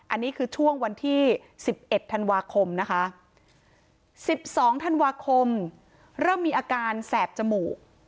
อันนี้คือช่วงวันที่๑๑ธันวาคมนะคะ๑๒ธันวาคมเริ่มมีอาการแสบจมูก